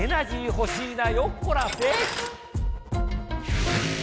ほしいなよっこらせ。